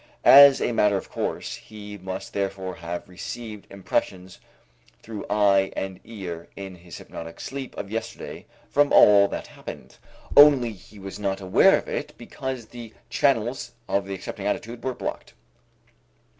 As a matter of course, he must therefore have received impressions through eye and ear in his hypnotic sleep of yesterday from all that happened, only he was not aware of it because the channels of the accepting attitude were blocked.